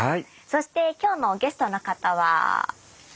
そして今日のゲストの方は。